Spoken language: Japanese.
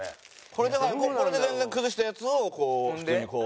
これだからこれで崩したやつを普通にこう。